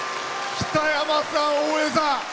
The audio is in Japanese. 北山さん、大江さん。